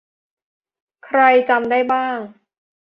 ใครจำได้บ้าง